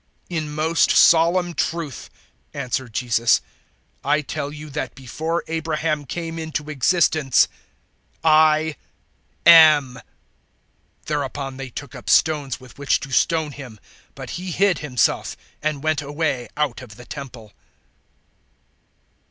008:058 "In most solemn truth," answered Jesus, "I tell you that before Abraham came into existence, I am." 008:059 Thereupon they took up stones with which to stone Him, but He hid Himself and went away out of the Temple.